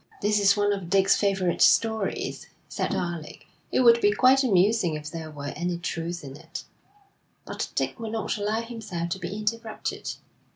'This is one of Dick's favourite stories,' said Alec. 'It would be quite amusing if there were any truth in it.' But Dick would not allow himself to be interrupted.